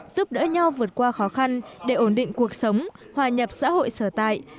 giúp đỡ nhau vượt qua khó khăn để ổn định cuộc sống hòa nhập xã hội sở tại